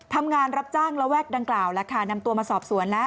ทำงานรับจ้างและแวดดังกล่าวนำตัวมาสอบสวนแล้ว